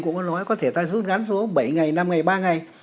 cũng có nói có thể ta rút gắn số bảy ngày năm ngày ba ngày